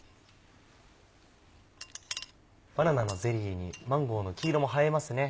バナナのゼリーにマンゴーの黄色も映えますね。